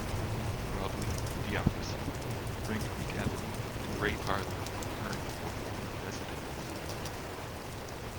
Rob Lee, Diafra Sakho, Frank McAvenie and Ray Parlour are current or former residents.